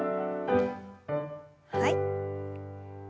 はい。